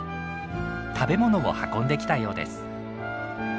食べ物を運んできたようです。